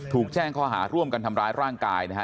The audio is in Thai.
ถูกแจ้งข้อหาร่วมกันทำร้ายร่างกายนะฮะ